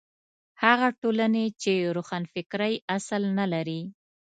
هغه ټولنې چې روښانفکرۍ اصل نه لري.